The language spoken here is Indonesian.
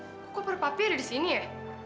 loh kok koper papi ada di sini ya